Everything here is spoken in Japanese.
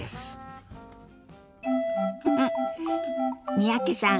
三宅さん